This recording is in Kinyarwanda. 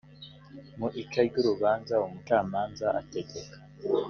mu ica ry urubanza umucamanza ategeka